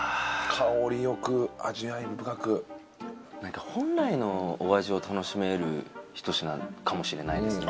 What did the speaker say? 香りよく味わい深く本来のお味を楽しめるひと品かもしれないですね